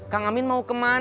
kang amin mau kemana